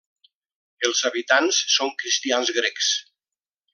Els habitants són cristians grecs.